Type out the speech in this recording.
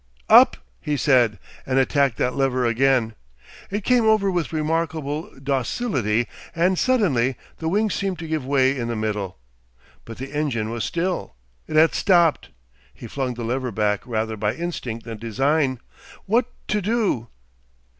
"Up!" he said, and attacked that lever again. It came over with remarkable docility, and suddenly the wings seemed to give way in the middle. But the engine was still! It had stopped. He flung the lever back rather by instinct than design. What to do?